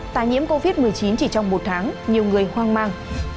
tài nhiễm covid một mươi chín chỉ trong một tháng nhiều người hoang mang